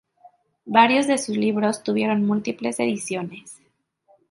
Varios de sus libros tuvieron múltiples ediciones.